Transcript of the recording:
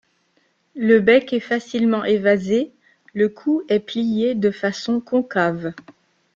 Le bec est facilement évasé, le cou est plié de façon concave.